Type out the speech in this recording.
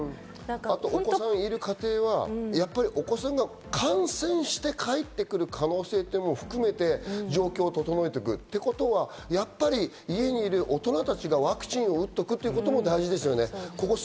お子さんいる家庭は、やっぱりお子さんが感染して帰ってくる可能性っていうのも含めて状況を整えていくということは、やっぱり家にいる大人たちがワクチンを打っておくということも大事ですね。